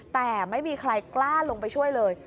แต่ไม่มีใครกล้าลงไปช่วยเลย